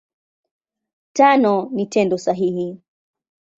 Tano ni Tendo sahihi.